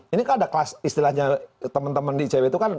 ini kan ada kelas istilahnya teman teman di icw itu kan